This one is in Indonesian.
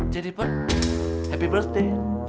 jadi berhenti berhenti